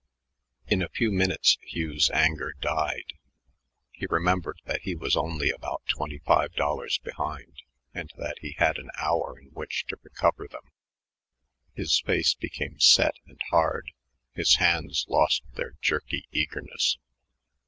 In a few minutes Hugh's anger died. He remembered that he was only about twenty five dollars behind and that he had an hour in which to recover them. His face became set and hard; his hands lost their jerky eagerness.